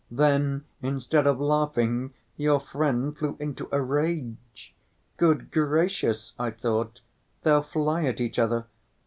Then, instead of laughing, your friend flew into a rage. 'Good gracious!' I thought, 'they'll fly at each other.